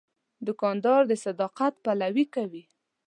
دوکاندار د صداقت پلوي کوي.